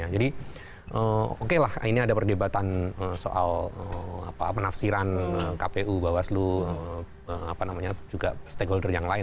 jadi oke lah ini ada perdebatan soal penafsiran kpu bawah selu apa namanya juga stakeholder yang lain